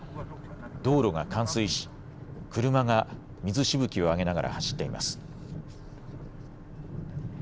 道路が冠水し車が水しぶきを上げながら走っています。